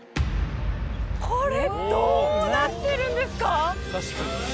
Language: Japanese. これどうなってるんですか？